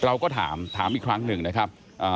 เราก็ถามถามอีกครั้งหนึ่งนะครับ